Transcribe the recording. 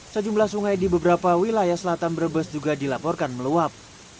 sejumlah sungai di beberapa wilayah selatan brebes juga dilaporkan meluap